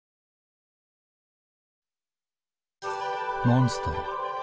モンストロ。